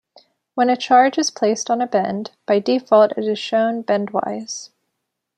When a charge is placed on a bend, by default it is shown bendwise.